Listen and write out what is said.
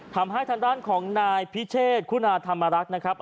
ทำให้ทางด้านของนายพิเชษคุณาธรรมรักษ์นะครับ